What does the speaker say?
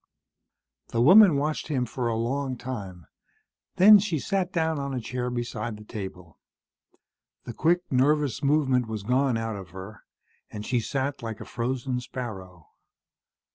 The woman watched him for a long time, then she sat down on a chair beside the table. The quick, nervous movement was gone out of her, and she sat like a frozen sparrow.